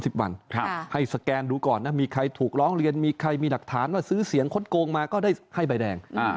ให้สแกนดูก่อนนะมีใครถูกร้องเรียนมีใครมีหลักฐานว่าซื้อเสียงคดโกงมาก็ได้ให้ใบแดง